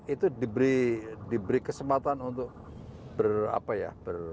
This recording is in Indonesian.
itu diberi kesempatan untuk berapa ya